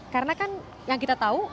karena kan yang kita tahu